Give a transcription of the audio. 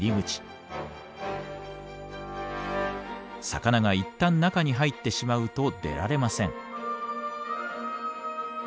魚がいったん中に入ってしまうと出られません。